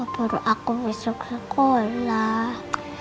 baru aku besok sekolah